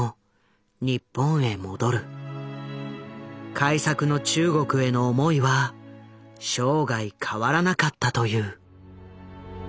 開作の中国への思いは生涯変わらなかったという。